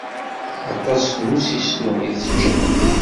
Aṭas n usisnu i tečča.